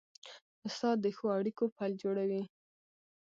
استاد د ښو اړیکو پل جوړوي.